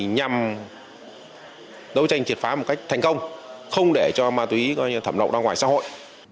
nhằm đấu tranh triệt phá một cách thành công không để cho ma túy thẩm lậu ra ngoài xã hội